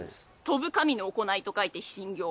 「飛ぶ神の行い」と書いて飛神行。